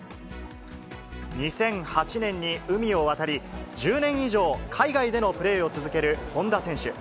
２００８年に海を渡り、１０年以上、海外でのプレーを続ける本田選手。